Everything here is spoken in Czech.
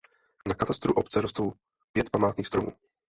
Na katastru obce rostou pět památných stromů.